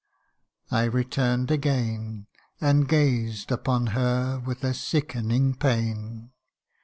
I return'd again, And gazed upon her with a sickening pain.